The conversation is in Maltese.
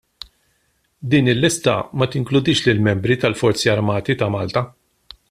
Din il-lista ma tinkludix lill-membri tal-Forzi Armati ta' Malta.